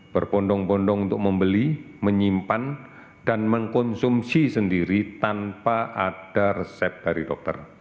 berbondong bondong untuk membeli menyimpan dan mengkonsumsi sendiri tanpa ada resep dari dokter